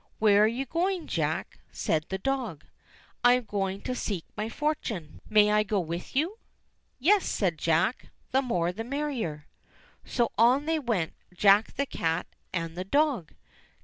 "Where are you going, Jack ?" said the dog. "I am going to seek my fortune." 263 264 ENGLISH FAIRY TALES "May I go with you ?" j "Yes," said Jack, "the more the merrier." j So on they went, Jack, the cat, and the dog